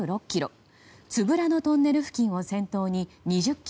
都夫良野トンネル付近を先頭に２０ｋｍ。